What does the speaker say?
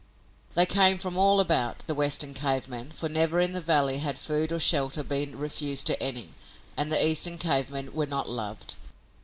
They came from all about, the Western cave men, for never in the valley had food or shelter been refused to any and the Eastern cave men were not loved.